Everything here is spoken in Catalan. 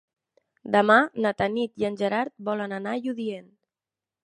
Demà na Tanit i en Gerard volen anar a Lludient.